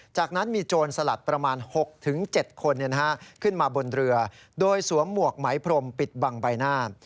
จากนั้นมีโจรสลัดประมาณ๖๗คนขึ้นมาบนเรือโดยสวมหมวกไหมพรมปิดบังใบหน้า